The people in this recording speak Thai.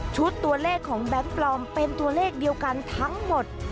ตัวเลขของแบงค์ปลอมเป็นตัวเลขเดียวกันทั้งหมด